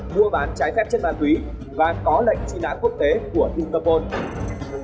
mua bán trái phép chất ma túy và có lệnh tri nát quốc tế của singapore